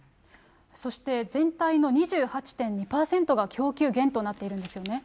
そして全体の２８．２％が供給減となっているんですよね。